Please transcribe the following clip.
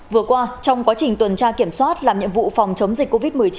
vừa qua trong quá trình tuần tra kiểm soát làm nhiệm vụ phòng chống dịch covid một mươi chín